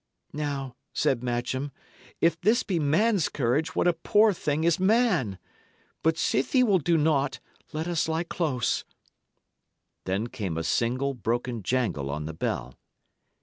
"Now," said Matcham, "if this be man's courage, what a poor thing is man! But sith ye will do naught, let us lie close." Then came a single, broken jangle on the bell.